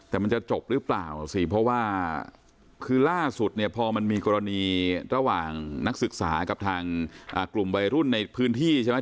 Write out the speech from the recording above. แต่มันจะจบหรือเปล่าสิเพราะว่าคือล่าสุดเนี่ยพอมันมีกรณีระหว่างนักศึกษากับทางกลุ่มวัยรุ่นในพื้นที่ใช่ไหม